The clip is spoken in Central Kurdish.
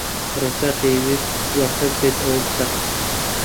ڕزگار دەیەوێت دوا کەس بێت ئەوە بکات.